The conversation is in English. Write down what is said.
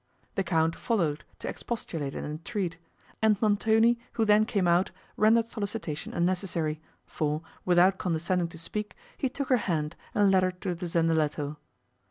The Count followed to expostulate and entreat, and Montoni, who then came out, rendered solicitation unnecessary, for, without condescending to speak, he took her hand, and led her to the zendaletto.